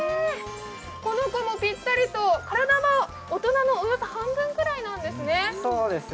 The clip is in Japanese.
この子もぴったりと、体も大人の大きさの半分くらいなんですね。